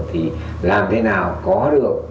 thì làm thế nào có được